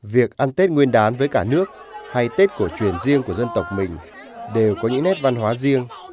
việc ăn tết nguyên đán với cả nước hay tết cổ truyền riêng của dân tộc mình đều có những nét văn hóa riêng